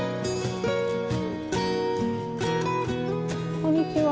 こんにちは！